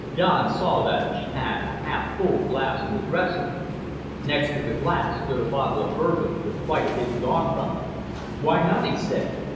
Don saw that she had a half full glass on the dresser. Next to the glass stood a bottle of bourbon with quite a bit gone from it. "Why not?" he said.